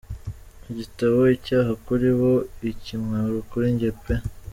igitabo “Icyaha kuri bo, ikimwaro kuri njye” P.